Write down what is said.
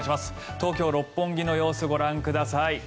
東京・六本木の様子ご覧ください。